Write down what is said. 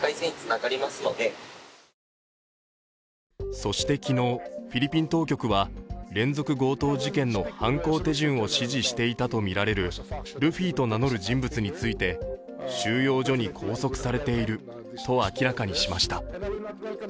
そして昨日、フィリピン当局は連続強盗事件の犯行手順を指示していたとみられるルフィと名乗る人物について収容所に拘束されていると明らかにしました。